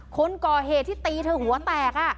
คนก่อเหตุที่ตีเธอหัวแตก